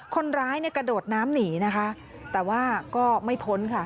คนร้ายเนี่ยกระโดดน้ำหนีนะคะแต่ว่าก็ไม่พ้นค่ะ